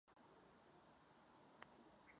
Jedná se o velmi výkonný náboj.